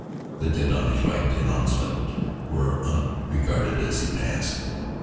The dead on his right and on his left were unregarded as he passed.